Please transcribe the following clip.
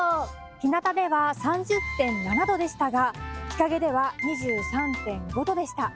ひなたでは３０．７度でしたが、日陰では２３．５度でした。